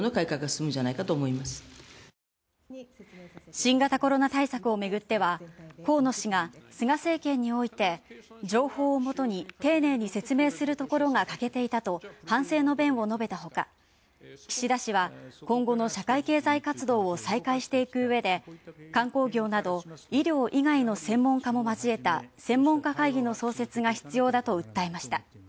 新型コロナ対策をめぐっては河野氏が菅政権において「情報を基に丁寧に説明するところが欠けていた」と反省の弁を述べたほか、岸田氏は、今後の社会経済活動を再開していく上で観光業など医療以外の専門家も交えた専門家会議の創設が必要だと訴えました。